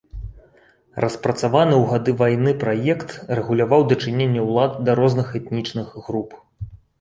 Распрацаваны ў гады вайны праект рэгуляваў дачыненне ўлад да розных этнічных груп.